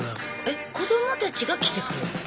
えっ子どもたちが来てくれんの？